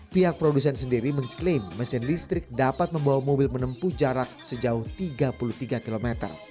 pihak produsen sendiri mengklaim mesin listrik dapat membawa mobil menempuh jarak sejauh tiga puluh tiga km